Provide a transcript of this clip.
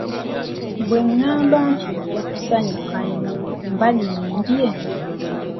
Bwe ngamba nti nja kusanyuka nnyo mba nnimbye?